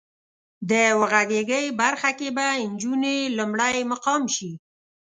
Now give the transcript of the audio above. د وغږېږئ برخه کې به انجونې لومړی مقام شي.